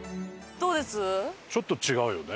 ちょっと違うよね。